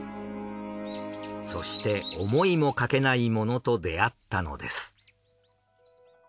そして思いもかけないものと出会ったのです。